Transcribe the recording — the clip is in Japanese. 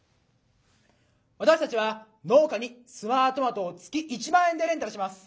私たちは農家に「スマートマト」を月１万円でレンタルします。